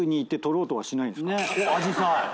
アジサイ。